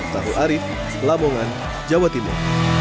tahu arief lamongan jawa timur